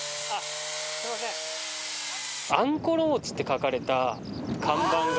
「あんころ餅」って書かれた看板が。